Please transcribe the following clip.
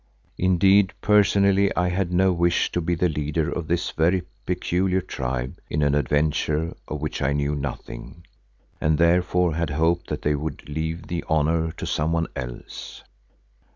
Indeed personally I had no wish to be the leader of this very peculiar tribe in an adventure of which I knew nothing, and therefore had hoped that they would leave that honour to someone else.